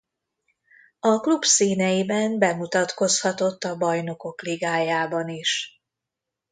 A klub színeiben bemutatkozhatott a Bajnokok Ligájában is.